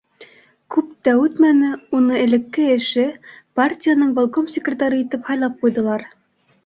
Күп тә үтмәне, уны элекке эше — партияның волком секретары итеп һайлап ҡуйҙылар.